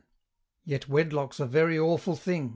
Yet Wedlock's a very awful thing!